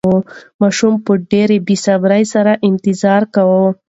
ماشوم په ډېرې بې صبرۍ سره انتظار کاوه.